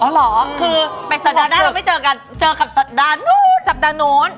เหรอคือสัปดาห์หน้าเราไม่เจอกันเจอกับสัปดาห์นู้นสัปดาห์นู้น